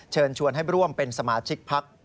เชิญชวนให้ร่วมเป็นสมาชิกพัก